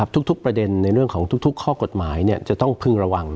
ทุกประเด็นในเรื่องของทุกข้อกฎหมายจะต้องพึงระวัง